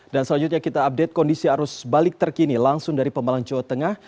dan selanjutnya kita update kondisi arus balik terkini langsung dari pemalang jawa tengah